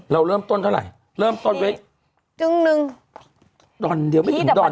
เราเริ่มต้นเท่าไหร่เริ่มต้นไว้จึ้งหนึ่งดอนเดียวไม่ถึงดอน